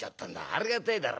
ありがてえだろ？